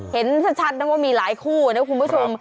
เห็นชัดนะว่ามีหลายคู่นะคุณผู้ชม